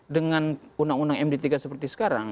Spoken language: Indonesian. dengan undang undang md tiga seperti sekarang